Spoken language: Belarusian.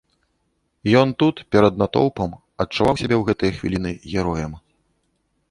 Ён тут перад натоўпам адчуваў сябе ў гэтыя хвіліны героем.